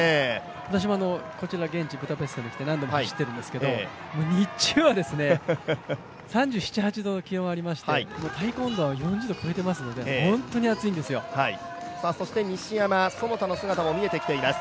私も現地ブダペストに来て何度も走ってるんですけども日中は３７３８度の温度がありまして、体感温度は４０度超えていますのでそして西山、其田の姿も見えてきています。